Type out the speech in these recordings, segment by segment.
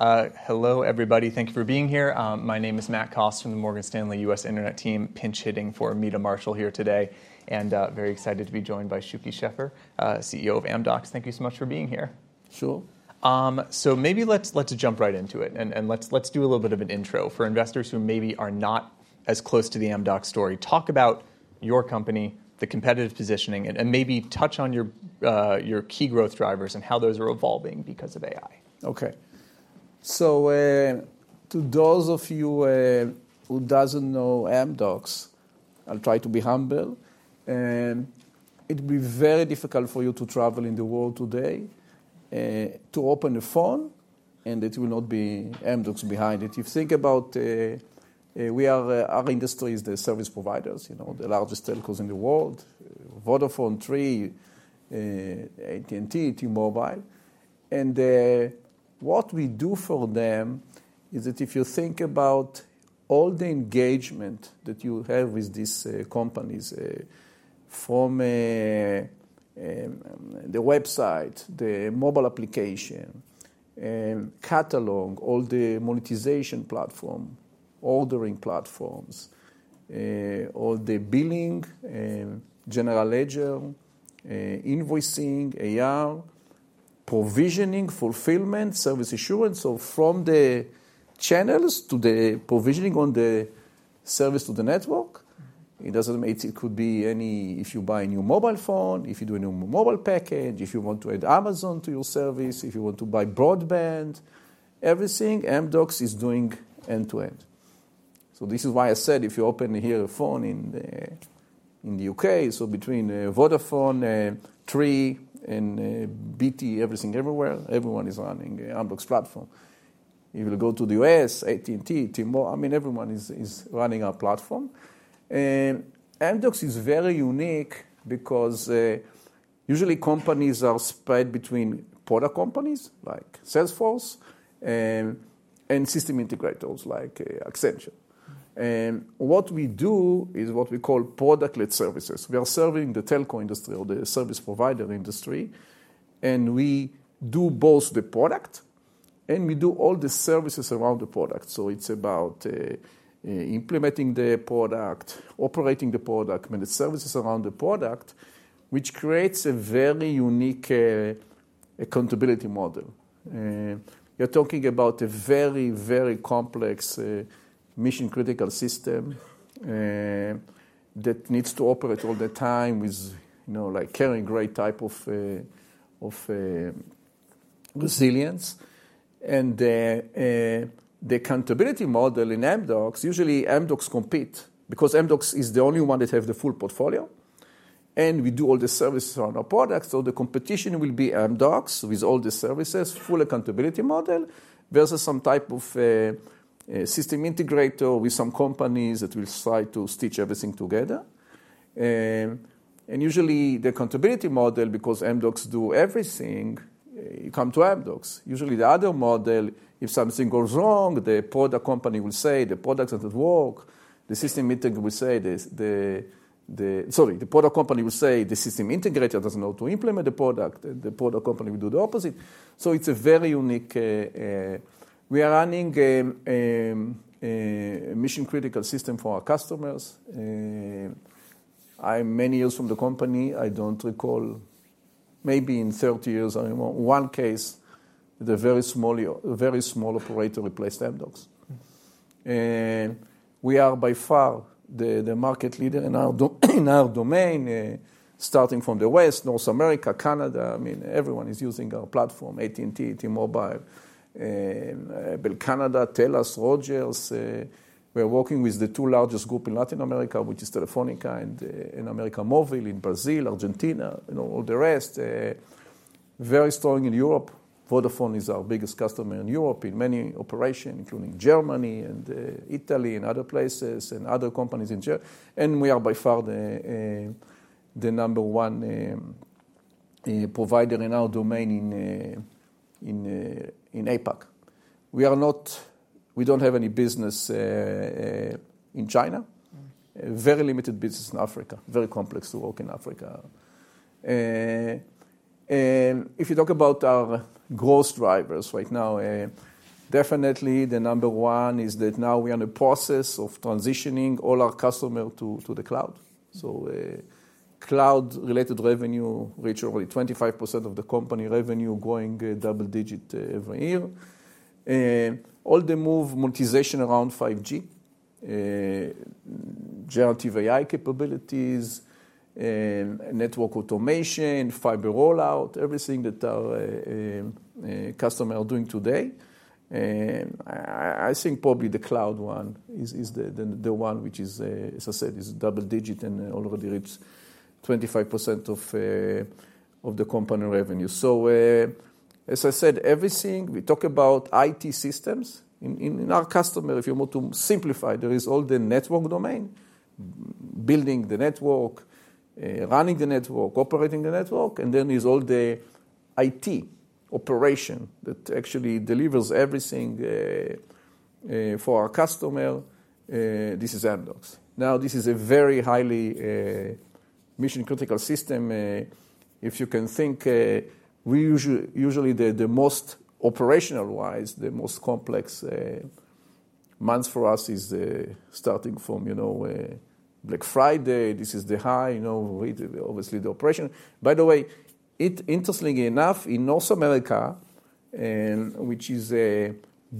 Hello, everybody. Thank you for being here. My name is Matt Cost from the Morgan Stanley U.S. Internet Team. Pinch hitting for Meta Marshall here today, and very excited to be joined by Shuky Sheffer, CEO of Amdocs. Thank you so much for being here. Sure. So maybe let's jump right into it. And let's do a little bit of an intro for investors who maybe are not as close to the Amdocs story. Talk about your company, the competitive positioning, and maybe touch on your key growth drivers and how those are evolving because of AI. OK. So to those of you who don't know Amdocs, I'll try to be humble. It will be very difficult for you to travel in the world today to open a phone, and it will not be Amdocs behind it. If you think about our industry as the service providers, the largest telcos in the world, Vodafone, Three, AT&T, T-Mobile. And what we do for them is that if you think about all the engagement that you have with these companies from the website, the mobile application, catalog, all the monetization platform, ordering platforms, all the billing, general ledger, invoicing, AR, provisioning, fulfillment, service assurance, so from the channels to the provisioning on the service to the network. It doesn't matter. It could be any if you buy a new mobile phone, if you do a new mobile package, if you want to add Amazon to your service, if you want to buy broadband. Everything Amdocs is doing end to end. So this is why I said if you open here a phone in the UK, so between Vodafone, Three, and BT, Everything Everywhere. Everyone is running Amdocs platform. If you go to the U.S., AT&T, T-Mobile, I mean, everyone is running our platform. And Amdocs is very unique because usually companies are spread between product companies like Salesforce and system integrators like Accenture. And what we do is what we call product-led services. We are serving the telco industry or the service provider industry. And we do both the product, and we do all the services around the product. So it's about implementing the product, operating the product, managing services around the product, which creates a very unique accountability model. You're talking about a very, very complex mission-critical system that needs to operate all the time with carrying a great type of resilience. And the accountability model in Amdocs, usually Amdocs competes because Amdocs is the only one that has the full portfolio. And we do all the services around our products. So the competition will be Amdocs with all the services, full accountability model versus some type of system integrator with some companies that will try to stitch everything together. And usually the accountability model, because Amdocs does everything, you come to Amdocs. Usually the other model, if something goes wrong, the product company will say the product doesn't work. The system integrator will say the sorry, the product company will say the system integrator doesn't know how to implement the product. The product company will do the opposite. So it's a very unique we are running a mission-critical system for our customers. I'm many years from the company. I don't recall. Maybe in 30 years, I remember one case with a very small operator replaced Amdocs, and we are by far the market leader in our domain, starting from the West, North America, Canada. I mean, everyone is using our platform, AT&T, T-Mobile, Bell Canada, TELUS, Rogers. We are working with the two largest groups in Latin America, which is Telefónica and América Móvil in Brazil, Argentina, and all the rest. Very strong in Europe. Vodafone is our biggest customer in Europe in many operations, including Germany and Italy and other places and other companies in Germany. And we are by far the number one provider in our domain in APAC. We don't have any business in China, very limited business in Africa, very complex to work in Africa. And if you talk about our growth drivers right now, definitely the number one is that now we are in the process of transitioning all our customers to the cloud. So cloud-related revenue reached already 25% of the company revenue, growing double digits every year. All the move monetization around 5G, generative AI capabilities, network automation, fiber rollout, everything that our customers are doing today. I think probably the cloud one is the one which is, as I said, is double digits and already reached 25% of the company revenue. So as I said, everything we talk about IT systems in our customer, if you want to simplify, there is all the network domain, building the network, running the network, operating the network. And then there's all the IT operation that actually delivers everything for our customer. This is Amdocs. Now, this is a very highly mission-critical system. If you can think, usually the most operational-wise, the most complex month for us is starting from Black Friday. This is the high, obviously, the operation. By the way, interestingly enough, in North America, which is a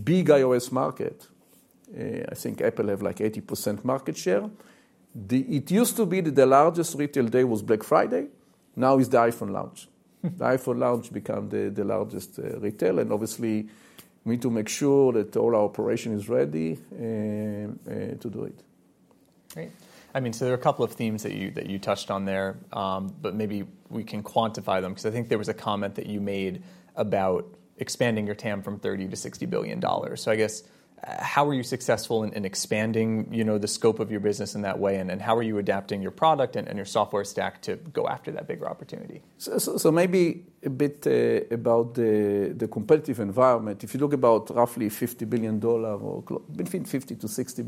big iOS market, I think Apple has like 80% market share. It used to be that the largest retail day was Black Friday. Now it's the iPhone launch. The iPhone launch became the largest retail. And obviously, we need to make sure that all our operation is ready to do it. Great. I mean, so there are a couple of themes that you touched on there, but maybe we can quantify them. Because I think there was a comment that you made about expanding your TAM from $30 billion to $60 billion. So I guess, how were you successful in expanding the scope of your business in that way? And how are you adapting your product and your software stack to go after that bigger opportunity? Maybe a bit about the competitive environment. If you look about roughly $50 billion, between $50 billion-$60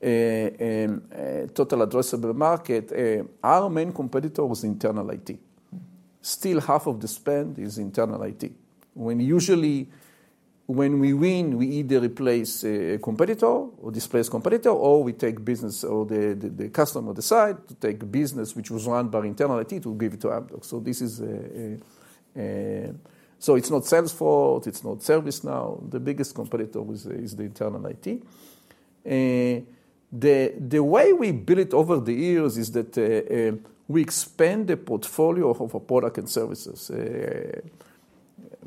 billion total addressable market, our main competitor was internal IT. Still, half of the spend is internal IT. When we win, we either replace a competitor or displace a competitor, or we take business or the customer decides to take business which was run by internal IT to give it to Amdocs. It's not Salesforce. It's not ServiceNow. The biggest competitor is the internal IT. The way we built over the years is that we expand the portfolio of our product and services.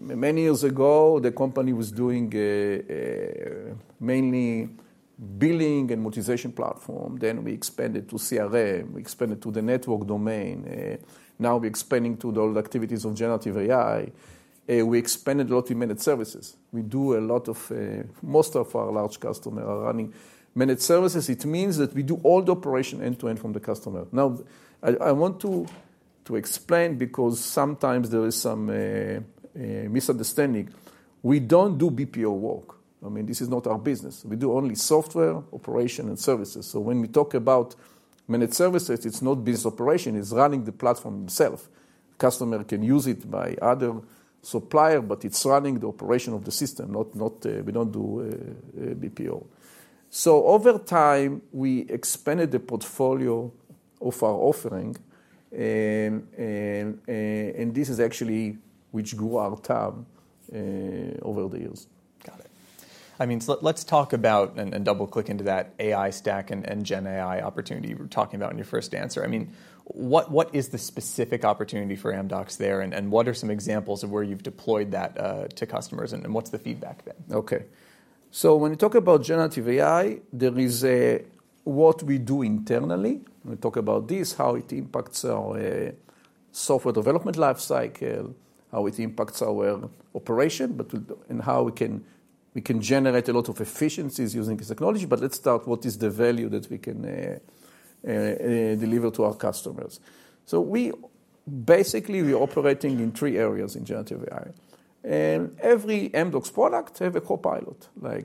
Many years ago, the company was doing mainly billing and monetization platform. Then we expanded to CRM. We expanded to the network domain. Now we're expanding to all the activities of generative AI. We expanded a lot of managed services. We do a lot. Most of our large customers are running managed services. It means that we do all the operation end to end from the customer. Now, I want to explain because sometimes there is some misunderstanding. We don't do BPO work. I mean, this is not our business. We do only software operation and services. So when we talk about managed services, it's not business operation. It's running the platform itself. The customer can use it by other suppliers, but it's running the operation of the system. We don't do BPO. So over time, we expanded the portfolio of our offering, and this is actually what grew our TAM over the years. Got it. I mean, let's talk about and double-click into that AI stack and Gen AI opportunity you were talking about in your first answer. I mean, what is the specific opportunity for Amdocs there? And what are some examples of where you've deployed that to customers? And what's the feedback there? OK. So when you talk about generative AI, there is what we do internally. We talk about this, how it impacts our software development lifecycle, how it impacts our operation, and how we can generate a lot of efficiencies using this technology. But let's start with what is the value that we can deliver to our customers. So basically, we are operating in three areas in generative AI. And every Amdocs product has a copilot. I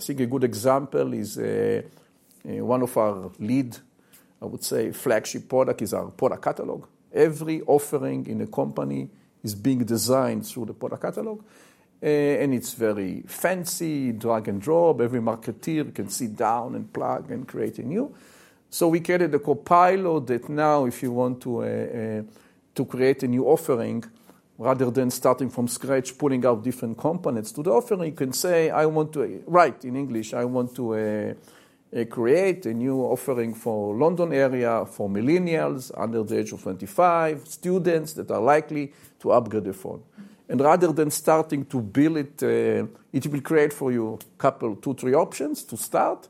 think a good example is one of our lead, I would say, flagship products is our product catalog. Every offering in the company is being designed through the product catalog. And it's very fancy, drag and drop. Every marketer can sit down and plug and create a new. So we created a copilot that now, if you want to create a new offering, rather than starting from scratch, pulling out different components to the offering, you can say, I want to write in English, I want to create a new offering for the London area for millennials under the age of 25, students that are likely to upgrade their phone. And rather than starting to build it, it will create for you a couple, two, three options to start.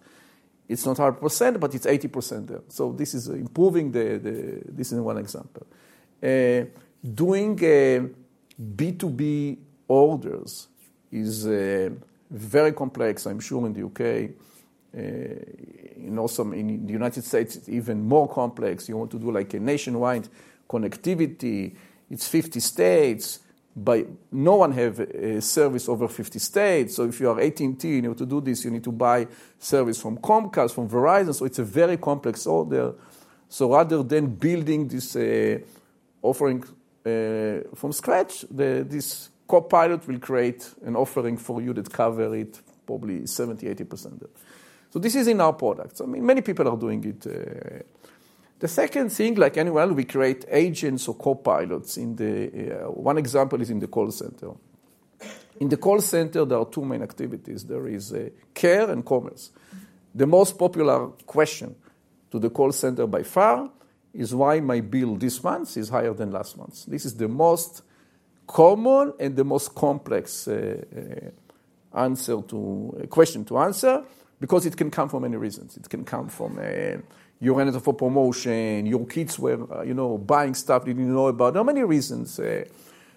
It's not 100%, but it's 80% there. So this is improving. This is one example. Doing B2B orders is very complex, I'm sure, in the U.K. In the United States, it's even more complex. You want to do like a nationwide connectivity. It's 50 states. But no one has a service over 50 states. So if you are AT&T and you want to do this, you need to buy service from Comcast, from Verizon. So it's a very complex order. So rather than building this offering from scratch, this copilot will create an offering for you that covers it, probably 70%-80% there. So this is in our product. So many people are doing it. The second thing, like anywhere, we create agents or copilots. One example is in the call center. In the call center, there are two main activities. There is care and commerce. The most popular question to the call center by far is, why my bill this month is higher than last month? This is the most common and the most complex answer to question to answer because it can come from many reasons. It can come from your end of a promotion, your kids were buying stuff they didn't know about, there are many reasons.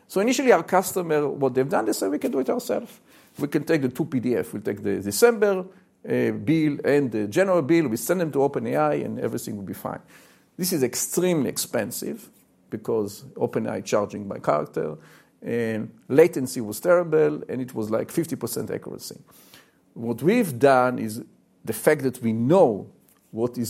So initially, our customer, what they've done, they said, we can do it ourselves. We can take the two PDFs. We'll take the December bill and the general bill. We send them to OpenAI, and everything will be fine. This is extremely expensive because OpenAI is charging by character. Latency was terrible, and it was like 50% accuracy. What we've done is the fact that we know what the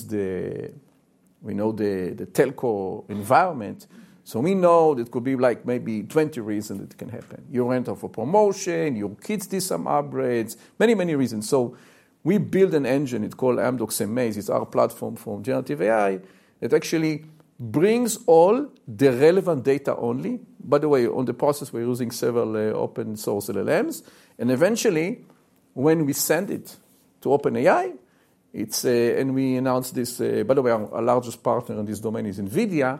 telco environment. So we know that could be like maybe 20 reasons it can happen. Your end of a promotion, your kids did some upgrades, many, many reasons. So we built an engine. It's called Amdocs amAIz. It's our platform for generative AI that actually brings all the relevant data only. By the way, on the process, we're using several open-source LLMs. And eventually, when we send it to OpenAI, and we announced this, by the way, our largest partner in this domain is NVIDIA,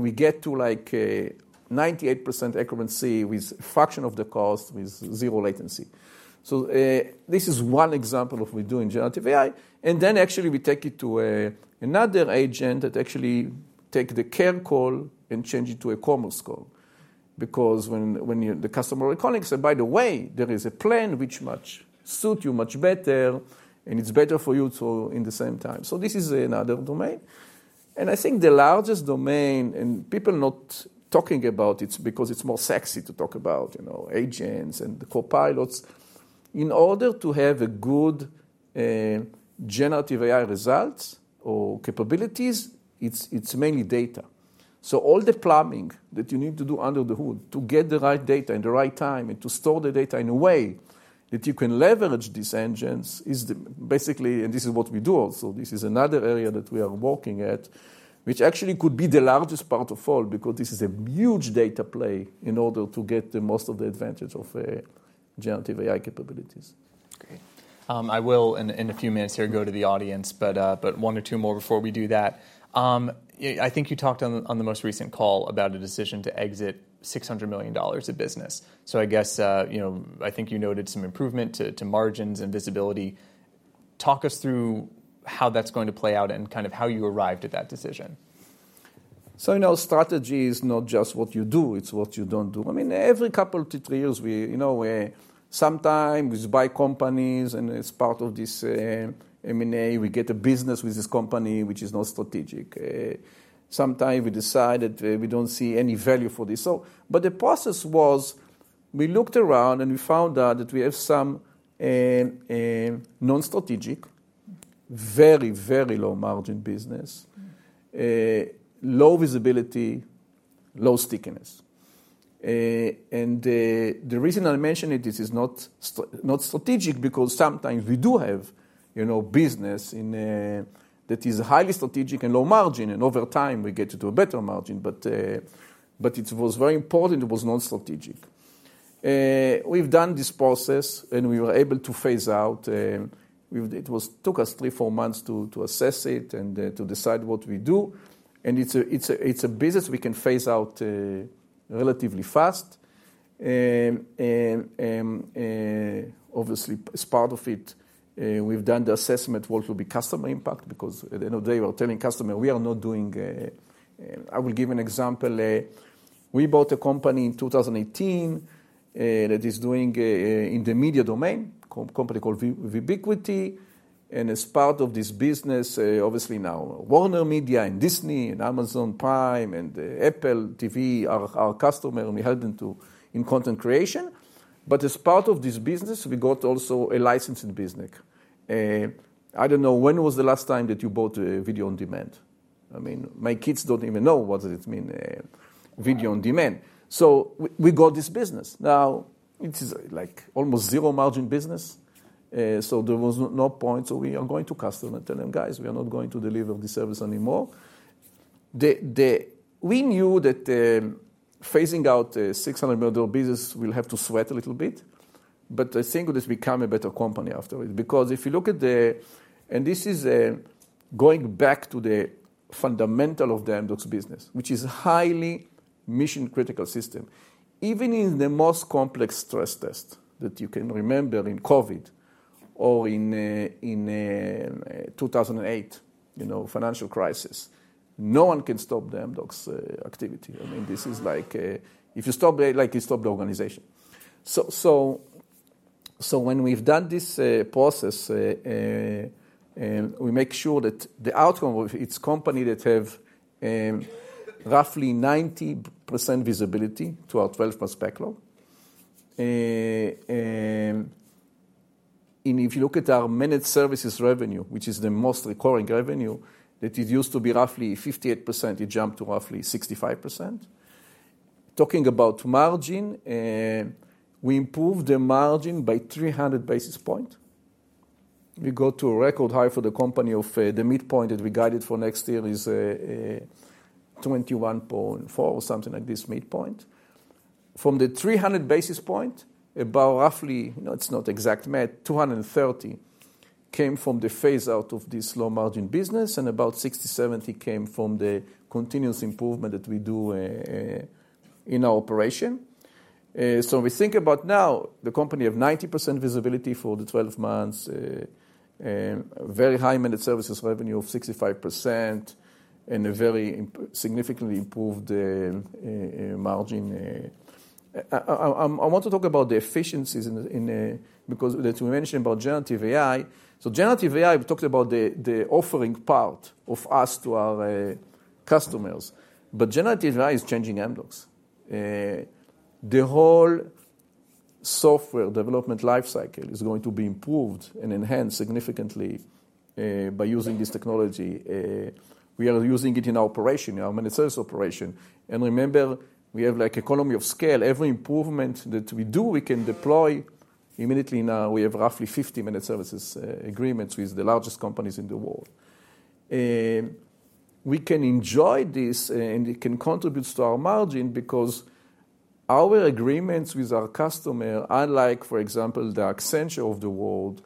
we get to like 98% accuracy with a fraction of the cost, with zero latency. So this is one example of what we do in generative AI. And then actually, we take it to another agent that actually takes the care call and changes it to a commerce call. Because when the customer is calling, they say, by the way, there is a plan which suits you much better, and it's better for you too in the same time. So this is another domain. I think the largest domain, and people are not talking about it because it's more sexy to talk about agents and the copilots, in order to have a good generative AI results or capabilities, it's mainly data. All the plumbing that you need to do under the hood to get the right data in the right time and to store the data in a way that you can leverage these engines is basically, and this is what we do also. This is another area that we are working at, which actually could be the largest part of all because this is a huge data play in order to get the most of the advantage of generative AI capabilities. Great. I will, in a few minutes here, go to the audience, but one or two more before we do that. I think you talked on the most recent call about a decision to exit $600 million of business. So I guess I think you noted some improvement to margins and visibility. Talk us through how that's going to play out and kind of how you arrived at that decision. So strategy is not just what you do. It's what you don't do. I mean, every couple to three years, sometimes we buy companies, and it's part of this M&A. We get a business with this company, which is not strategic. Sometimes we decide that we don't see any value for this. But the process was we looked around, and we found out that we have some non-strategic, very, very low-margin business, low visibility, low stickiness. And the reason I mentioned it is not strategic because sometimes we do have business that is highly strategic and low margin. And over time, we get to do a better margin. But it was very important it was non-strategic. We've done this process, and we were able to phase out. It took us three, four months to assess it and to decide what we do. And it's a business we can phase out relatively fast. Obviously, as part of it, we've done the assessment of what will be customer impact because at the end of the day, we're telling customers we are not doing. I will give an example. We bought a company in 2018 that is doing in the media domain, a company called Vubiquity. And as part of this business, obviously, now WarnerMedia and Disney and Amazon Prime and Apple TV are our customers. We help them in content creation. But as part of this business, we got also a licensing business. I don't know when was the last time that you bought video on demand. I mean, my kids don't even know what it means, video on demand. So we got this business. Now, it is like almost zero-margin business. So there was no point. We are going to customers and tell them, guys, we are not going to deliver this service anymore. We knew that phasing out the $600 million business, we'll have to sweat a little bit. But I think that we become a better company after it. Because if you look at the and this is going back to the fundamental of the Amdocs business, which is a highly mission-critical system. Even in the most complex stress test that you can remember in COVID or in 2008 financial crisis, no one can stop the Amdocs activity. I mean, this is like if you stop, like you stop the organization. So when we've done this process, we make sure that the outcome of it's a company that has roughly 90% visibility to our 12-month backlog. If you look at our managed services revenue, which is the most recurring revenue, that it used to be roughly 58%. It jumped to roughly 65%. Talking about margin, we improved the margin by 300 basis points. We got to a record high for the company of the midpoint that we guided for next year is 21.4 or something like this midpoint. From the 300 basis points, about roughly it's not exact but 230 came from the phase-out of this low-margin business, and about 60%-70% came from the continuous improvement that we do in our operation, so we think about now the company has 90% visibility for the 12 months, very high managed services revenue of 65%, and a very significantly improved margin. I want to talk about the efficiencies because that we mentioned about generative AI. So generative AI, we talked about the offering part of us to our customers. But generative AI is changing Amdocs. The whole software development lifecycle is going to be improved and enhanced significantly by using this technology. We are using it in our operation, in our managed service operation. And remember, we have like economy of scale. Every improvement that we do, we can deploy immediately in our, we have roughly 50 managed services agreements with the largest companies in the world. We can enjoy this, and it can contribute to our margin because our agreements with our customer, unlike, for example, the Accenture of the world,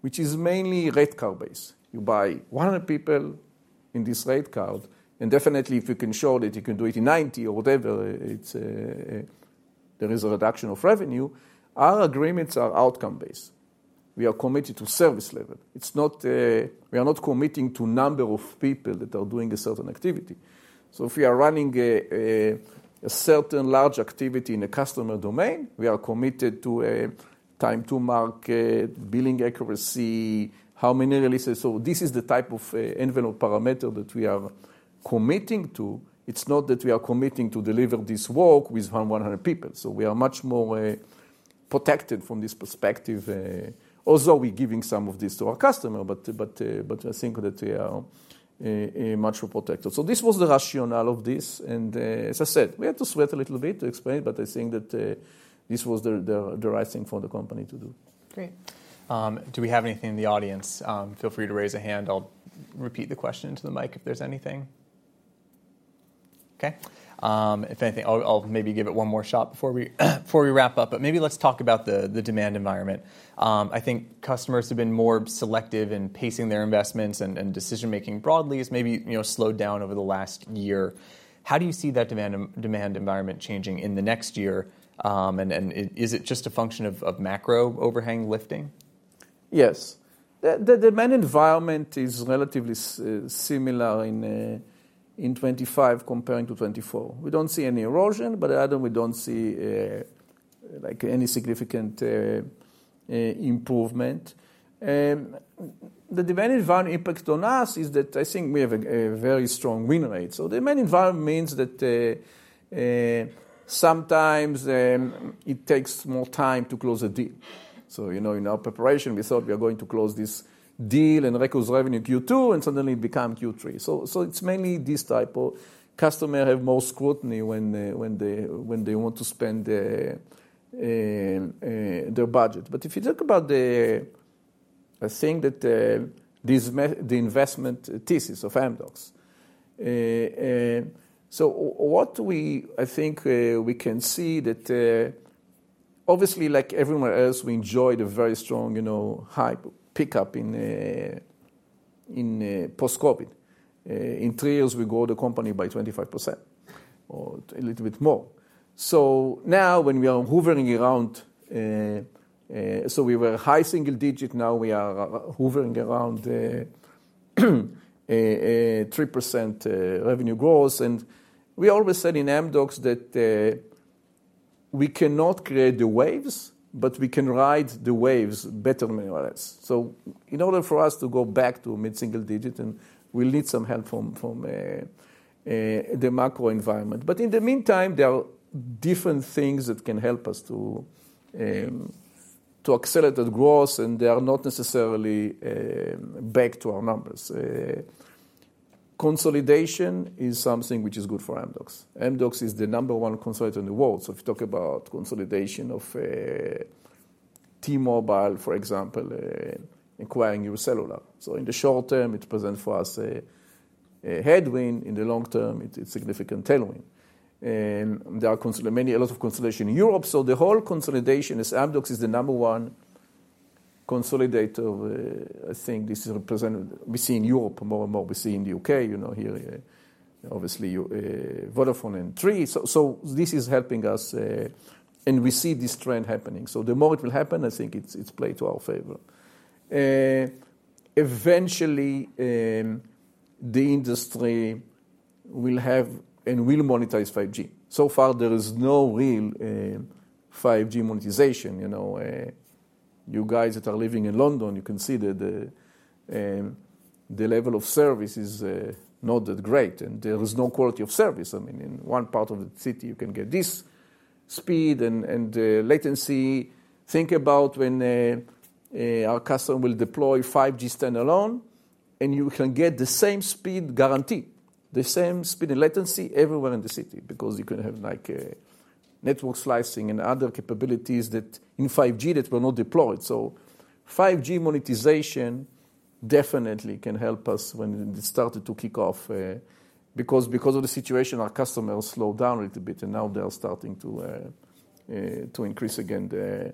which is mainly rate card-based. You buy 100 people in this rate card. And definitely, if you can show that you can do it in 90 or whatever, there is a reduction of revenue. Our agreements are outcome-based. We are committed to service level. We are not committing to the number of people that are doing a certain activity, so if we are running a certain large activity in a customer domain, we are committed to time to market, billing accuracy, how many releases, so this is the type of envelope parameter that we are committing to. It's not that we are committing to deliver this work with 100 people, so we are much more protected from this perspective, although we're giving some of this to our customer, but I think that we are much more protected, so this was the rationale of this, and as I said, we had to sweat a little bit to explain it, but I think that this was the right thing for the company to do. Great. Do we have anything in the audience? Feel free to raise a hand. I'll repeat the question to the mic if there's anything. OK. If anything, I'll maybe give it one more shot before we wrap up. But maybe let's talk about the demand environment. I think customers have been more selective in pacing their investments, and decision-making broadly has maybe slowed down over the last year. How do you see that demand environment changing in the next year? And is it just a function of macro overhang lifting? Yes. The demand environment is relatively similar in 2025 compared to 2024. We don't see any erosion. But rather, we don't see any significant improvement. The demand environment impact on us is that I think we have a very strong win rate. So demand environment means that sometimes it takes more time to close a deal. So in our preparation, we thought we are going to close this deal and records revenue Q2, and suddenly it becomes Q3. So it's mainly this type of customer have more scrutiny when they want to spend their budget. But if you think about the, I think that the investment thesis of Amdocs, so what I think we can see that obviously, like everywhere else, we enjoyed a very strong high pickup in post-COVID. In three years, we grow the company by 25% or a little bit more. So now, when we are hovering around, so we were high single digit. Now, we are hovering around 3% revenue growth. And we always said in Amdocs that we cannot create the waves, but we can ride the waves better than anyone else. So in order for us to go back to mid-single digit, we'll need some help from the macro environment. But in the meantime, there are different things that can help us to accelerate that growth. And they are not necessarily back to our numbers. Consolidation is something which is good for Amdocs. Amdocs is the number one consultant in the world. So if you talk about consolidation of T-Mobile, for example, acquiring UScellular. So in the short term, it presents for us a headwind. In the long term, it's a significant tailwind. And there are a lot of consolidation in Europe. So the whole consolidation is Amdocs is the number one consolidator. I think this is represented we see in Europe more and more. We see in the U.K., obviously, Vodafone and Three. So this is helping us. And we see this trend happening. So the more it will happen, I think it's played to our favor. Eventually, the industry will have and will monetize 5G. So far, there is no real 5G monetization. You guys that are living in London, you can see that the level of service is not that great. And there is no quality of service. I mean, in one part of the city, you can get this speed and latency. Think about when our customer will deploy 5G standalone, and you can get the same speed guarantee, the same speed and latency everywhere in the city because you can have network slicing and other capabilities that in 5G that were not deployed, so 5G monetization definitely can help us when it started to kick off. Because of the situation, our customers slowed down a little bit, and now, they are starting to increase again,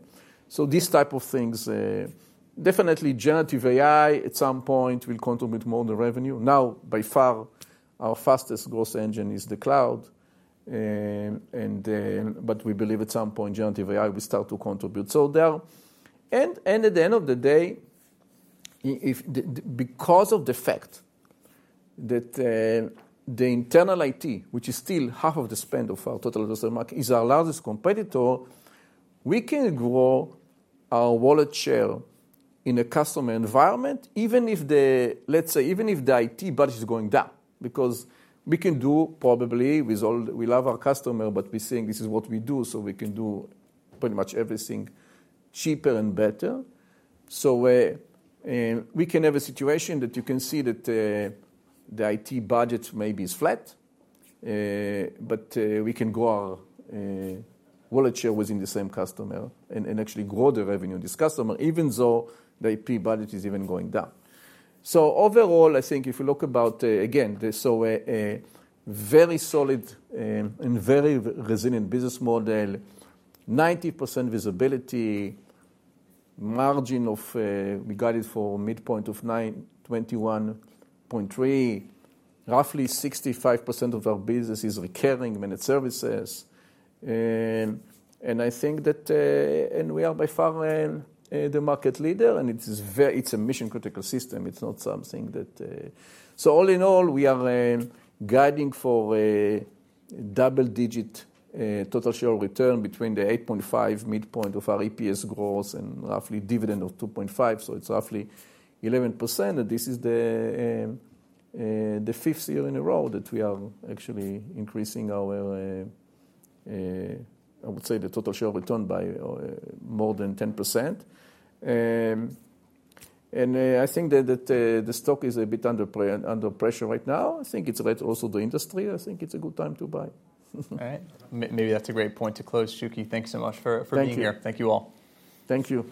so these type of things definitely generative AI at some point will contribute more in the revenue. Now, by far, our fastest growth engine is the cloud, but we believe at some point, generative AI will start to contribute. At the end of the day, because of the fact that the internal IT, which is still half of the spend of our total addressable market, is our largest competitor, we can grow our wallet share in a customer environment, even if the IT budget is going down. Because we can do. We love our customer, but we're saying this is what we do. We can do pretty much everything cheaper and better. We can have a situation that you can see that the IT budget maybe is flat. But we can grow our wallet share within the same customer and actually grow the revenue on this customer, even though the IT budget is even going down. So overall, I think if you look about, again, so very solid and very resilient business model, 90% visibility, margin. We've got it for the midpoint of 21.3%. Roughly 65% of our business is recurring managed services. And I think that, and we are by far the market leader. And it's a mission-critical system. It's not something that. So all in all, we are guiding for double-digit total share return between the 8.5% midpoint of our EPS growth and roughly dividend of 2.5%. So it's roughly 11%. And this is the fifth year in a row that we are actually increasing our, I would say, the total share return by more than 10%. And I think that the stock is a bit under pressure right now. I think it's right across the industry. I think it's a good time to buy. All right. Maybe that's a great point to close. Shuky, thanks so much for being here. Thank you. Thank you all. Thank you.